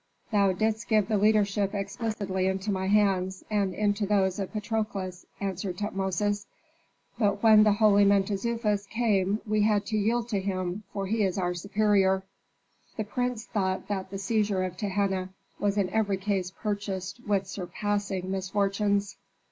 "Thou didst give the leadership explicitly into my hands and into those of Patrokles," answered Tutmosis. "But when the holy Mentezufis came we had to yield to him, for he is our superior." The prince thought that the seizure of Tehenna was in every case purchased with surpassing misfortunes.